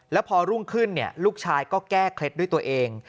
แล้วพอรุ่งขึ้นลูกชายก็แก้เคล็ดด้วยตัวเอง